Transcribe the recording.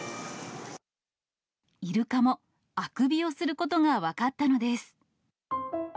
イルカもあくびをすることが分かったのです。